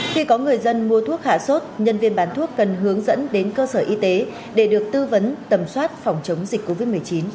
khi có người dân mua thuốc hạ sốt nhân viên bán thuốc cần hướng dẫn đến cơ sở y tế để được tư vấn tầm soát phòng chống dịch covid một mươi chín